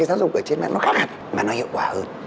giáo dục ở trên mạng nó khác hẳn mà nó hiệu quả hơn